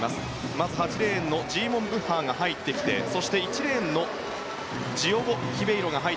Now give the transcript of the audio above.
まず８レーンジーモン・ブッハーが入ってそして１レーンのジオゴ・ヒベイロ。